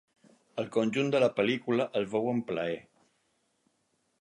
El conjunt de la pel·lícula es veu amb plaer.